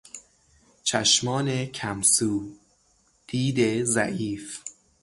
چشمان کم سو، دید ضعیف